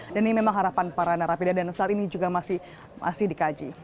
dan ini memang harapan para narapidana dan saat ini juga masih dikaji